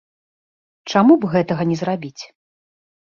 Чаму б гэтага не зрабіць?